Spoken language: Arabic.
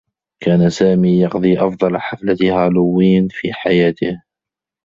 كان سامي يقضي أفضل حفلة هالويين في حياته.